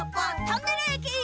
トンネルえき！